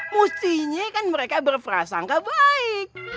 mestinya kan mereka berprasangka baik